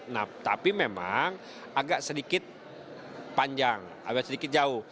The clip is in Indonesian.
nah tapi memang agak sedikit panjang agak sedikit jauh